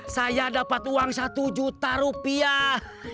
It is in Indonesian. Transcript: saya dapat uang satu juta rupiah